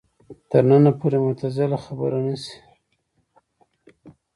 تر ننه پورې معتزله خبره نه شي